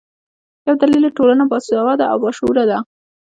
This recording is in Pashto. یو دلیل یې ټولنه باسواده او باشعوره ده.